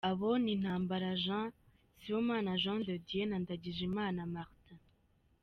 Abo ni Ntambara Jean, Sibomana Jean de Dieu na Ndagijimana Martin.